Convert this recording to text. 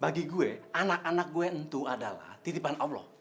bagi gue anak anak gue itu adalah titipan allah